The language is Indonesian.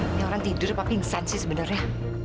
ini orang tidur tapi insan sih sebenarnya